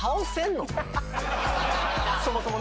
そもそもな